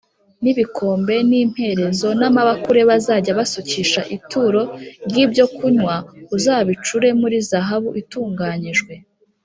N ibikombe n imperezo n amabakure bazajya basukisha ituro ry ibyokunywa uzabicure muri zahabu itunganyijwe